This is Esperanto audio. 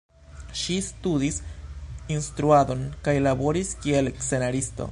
Ŝi studis instruadon kaj laboris kiel scenaristo.